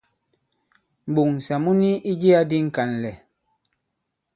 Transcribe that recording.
M̀ɓoŋsà mu ni i jiyā di ŋ̀kànlɛ̀.